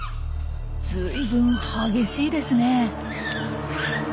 随分激しいですね。